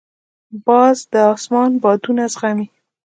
باز د اسمان بادونه زغمي